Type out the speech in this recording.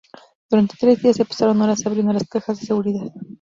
Durante tres días se pasaron horas abriendo las cajas de seguridad.